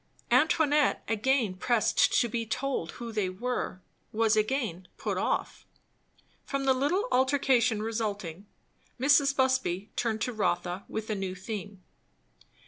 Antoinette again pressed to be told who they were, was again put off. From the little altercation resulting, Mrs. Busby turned to Rotha with a new theme.